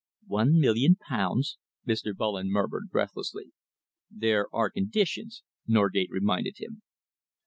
"One million pounds!" Mr. Bullen murmured, breathlessly. "There are the conditions," Norgate reminded him.